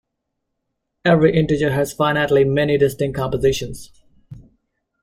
Every integer has finitely many distinct compositions.